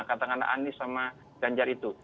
katakanlah anies sama ganjar itu